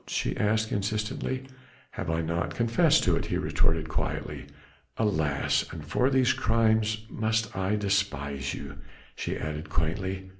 she asked insistently. "Have I not confessed to it?" he retorted quietly. "Alas! And for these crimes must I despise you," she added quaintly.